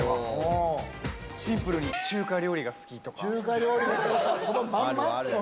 シンプルに中華料理が好きとか。